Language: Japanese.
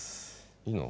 いいの？